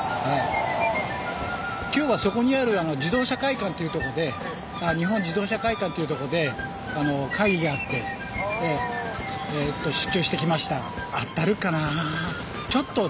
今日はそこにある自動車会館というとこで日本自動車会館というとこで会議があって出張してきました。